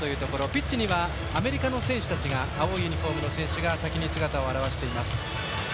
ピッチにはアメリカの選手たち青いユニフォームの選手たちが先に姿を現しています。